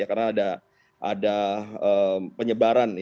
karena ada penyebaran